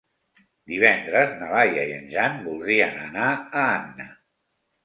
Divendres na Lia i en Jan voldrien anar a Anna.